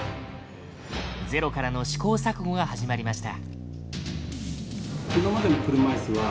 ゼロからの試行錯誤が始まりました。